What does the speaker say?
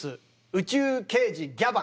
「宇宙刑事ギャバン」。